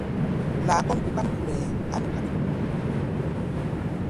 Laa kɔ́ʼm ɓuká mbulɛɛ á nu káɗí.